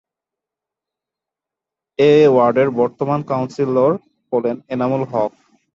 এ ওয়ার্ডের বর্তমান কাউন্সিলর হলেন এনামুল হক।